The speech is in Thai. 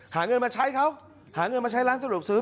หาเงินมาใช้เขาหาเงินมาใช้ร้านสะดวกซื้อ